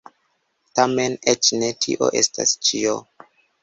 Tamen eĉ ne tio estas ĉio.